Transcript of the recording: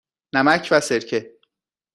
نمک و سرکه.